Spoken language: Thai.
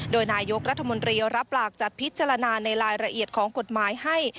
โดยนายกรัฐมนตรีรับหลักจะพิจารณาในรายละเอียดของกฎหมายให้